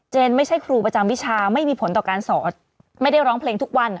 ไม่ใช่ครูประจำวิชาไม่มีผลต่อการสอนไม่ได้ร้องเพลงทุกวัน